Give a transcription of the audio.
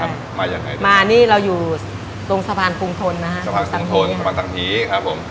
มายังไงครับมายังไงมานี่เราอยู่ตรงสะพานภูมิธรณ์นะฮะสะพานภูมิธรณ์สะพานสังผีครับผม